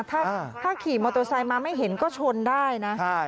ถ้าขี่มอเตอร์ไซค์มาไม่เห็นก็ชนได้นะ